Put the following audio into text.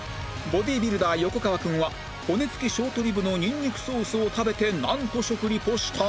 ボディビルダー横川君は骨つきショートリブのニンニクソースを食べてなんと食リポした？